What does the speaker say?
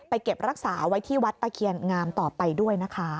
เก็บรักษาไว้ที่วัดตะเคียนงามต่อไปด้วยนะคะ